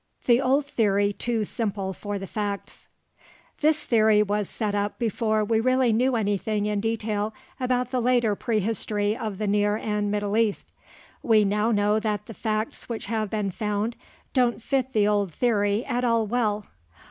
THE OLD THEORY TOO SIMPLE FOR THE FACTS This theory was set up before we really knew anything in detail about the later prehistory of the Near and Middle East. We now know that the facts which have been found don't fit the old theory at all well.